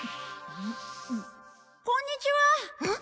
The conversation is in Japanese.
こんにちは！